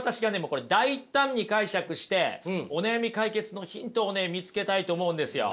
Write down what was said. これ大胆に解釈してお悩み解決のヒントをね見つけたいと思うんですよ。